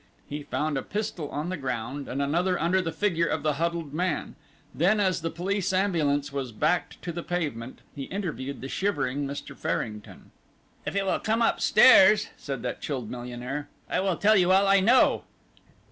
He found a pistol on the ground, and another under the figure of the huddled man, then as the police ambulance was backed to the pavement, he interviewed the shivering Mr. Farrington. "If you will come upstairs," said that chilled millionaire, "I will tell you all I know."